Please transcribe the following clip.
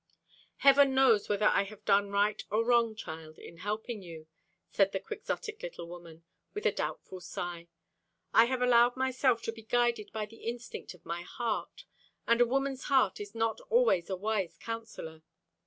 "Heaven knows whether I have done right or wrong, child, in helping you," said the Quixotic little woman, with a doubtful sigh. "I have allowed myself to be guided by the instinct of my heart, and a woman's heart is not always a wise counsellor.